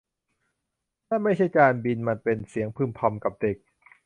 นั่นไม่ใช่จานบินมันเป็นเสียงพึมพำกับเด็ก